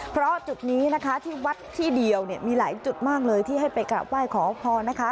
เพราะจุดนี้นะคะที่วัดที่เดียวเนี่ยมีหลายจุดมากเลยที่ให้ไปกราบไหว้ขอพรนะคะ